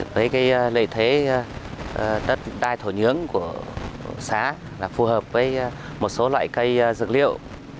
với cái lợi thế đất đai thổ nhưỡng của xã là phù hợp với một số loại cây dược liệu